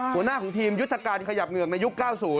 หัวหน้าของทีมยุทธการขยับเหงือกในยุค๙๐